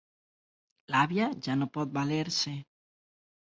L'àvia ja no pot valer-se.